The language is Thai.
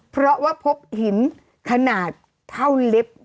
เพราะว่าพบหินขนาดเท่าเล็บ